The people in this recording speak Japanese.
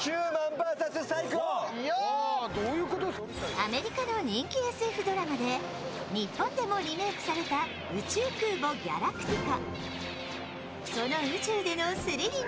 アメリカの人気ＳＦドラマで日本でもリメークされた「宇宙空母ギャラクティカ」